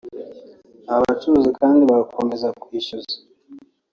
Abo bacuruzi kandi barakomeza kwishyuza